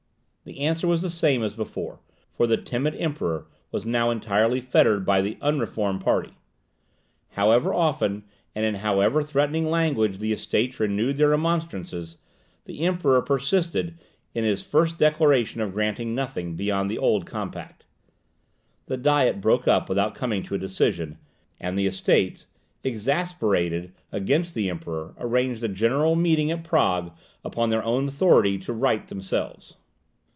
The answer was the same as before; for the timid Emperor was now entirely fettered by the unreformed party. However often, and in however threatening language the Estates renewed their remonstrances, the Emperor persisted in his first declaration of granting nothing beyond the old compact. The Diet broke up without coming to a decision; and the Estates, exasperated against the Emperor, arranged a general meeting at Prague, upon their own authority, to right themselves.